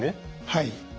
はい。